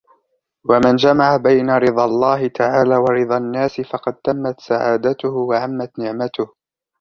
وَمَنْ جَمَعَ بَيْنَ رِضَى اللَّهِ تَعَالَى وَرِضَى النَّاسِ فَقَدْ تَمَّتْ سَعَادَتُهُ وَعَمَّتْ نِعْمَتُهُ